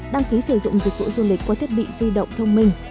đăng ký sử dụng dịch vụ du lịch qua thiết bị di động thông minh